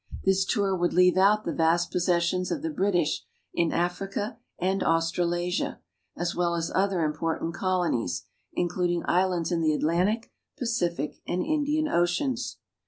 This tour would leave out the vast possessions of the British in Africa and Australasia, as well as other important colo nies, including islands in the Atlantic, Pacific, and Indian oceans.